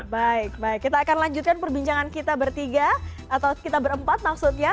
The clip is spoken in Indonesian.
baik baik kita akan lanjutkan perbincangan kita bertiga atau kita berempat maksudnya